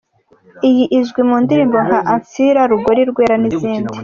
Iyi izwi mu ndirimbo nka ‘Ancila’ ‘Rugori Rwera’ n’izindi.